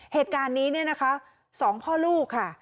เหตุการณ์นี้เนี่ยนะคะสองพ่อลูกค่ะ